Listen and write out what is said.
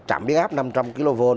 trạm biến áp năm trăm linh kv